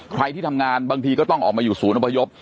ที่ทำงานบางทีก็ต้องออกมาอยู่ศูนย์อพยพ